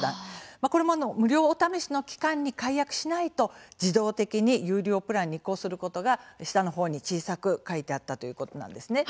これも無料お試しの期間に解約しないと自動的に有料プランに移行することが、下のほうに小さく書いてあったということなんですね。